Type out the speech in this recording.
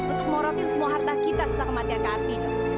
untuk morotin semua harta kita setelah kematian kak arvino